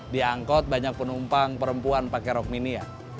diangkut banyak penumpang perempuan pakai rok mini ya